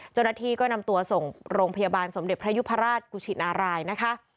เจ้าหน้าที่ก็นำตัวส่งโรงพยาบาลสมเด็จพระยุพราชกุชินารายนะคะ